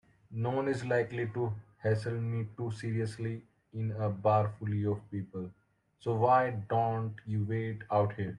Noone is likely to hassle me too seriously in a bar full of people, so why don't you wait out here?